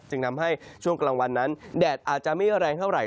ทำให้ช่วงกลางวันนั้นแดดอาจจะไม่แรงเท่าไห